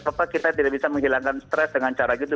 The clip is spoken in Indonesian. apa kita tidak bisa menghilangkan stres dengan cara gitu